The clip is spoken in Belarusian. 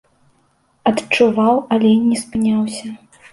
Адчуваў, але не спыняўся.